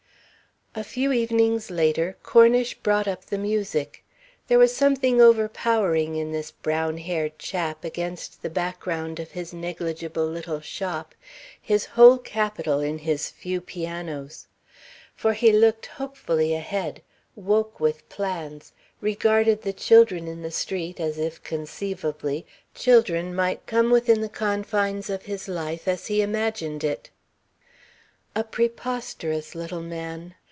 A few evenings later, Cornish brought up the music. There was something overpowering in this brown haired chap against the background of his negligible little shop, his whole capital in his few pianos. For he looked hopefully ahead, woke with plans, regarded the children in the street as if, conceivably, children might come within the confines of his life as he imagined it. A preposterous little man.